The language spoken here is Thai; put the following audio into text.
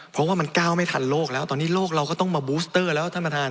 เพราะว่ามันก้าวไม่ทันโลกแล้วตอนนี้โลกเราก็ต้องมาบูสเตอร์แล้วท่านประธาน